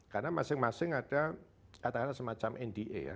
karena masing masing ada katakanlah semacam nda ya